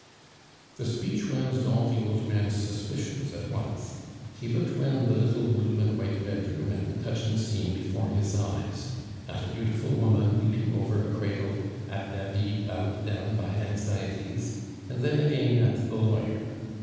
The speech roused all the old man's suspicions at once. He looked round the little blue and white bedroom at the touching scene before his eyes at a beautiful woman weeping over a cradle, at David bowed down by anxieties, and then again at the lawyer.